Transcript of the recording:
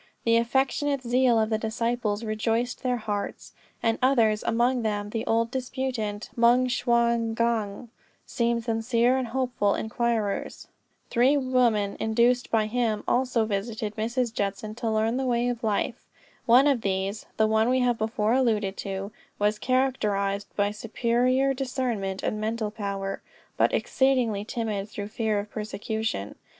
The affectionate zeal of the disciples rejoiced their hearts; and others, and among them the old disputant, Moung Shwa gnong, seemed sincere and hopeful inquirers. Three women, induced by him, also visited Mrs. Judson to learn the way of life. One of these (the one we have before alluded to) was characterized by superior discernment and mental power, but exceedingly timid through fear of persecution.